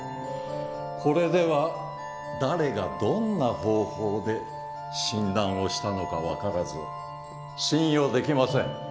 これでは誰がどんな方法で診断をしたのか分からず信用できません。